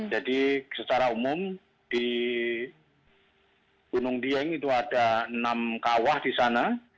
jadi secara umum di gunung dieng itu ada enam kawah di sana